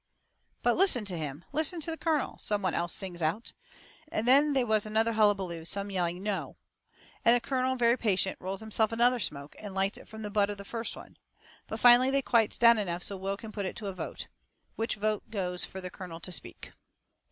"But, listen to him listen to the colonel!" some one else sings out. And then they was another hullabaloo, some yelling "no!" And the colonel, very patient, rolls himself another smoke and lights it from the butt of the first one. But finally they quiets down enough so Will can put it to a vote. Which vote goes fur the colonel to speak.